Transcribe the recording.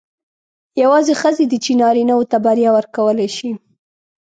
یوازې ښځې دي چې نارینه وو ته بریا ورکولای شي.